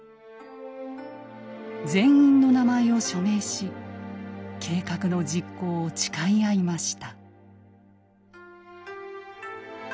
全員の名前を署名し計画の実行を誓い合いました。